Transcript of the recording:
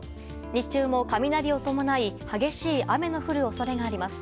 日中も雷を伴い激しい雨の降る恐れがあります。